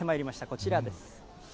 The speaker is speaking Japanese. こちらです。